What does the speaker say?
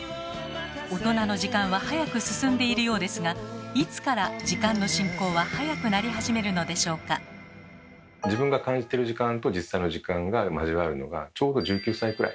大人の時間は早く進んでいるようですがいつから自分が感じてる時間と実際の時間が交わるのがちょうど１９歳くらい。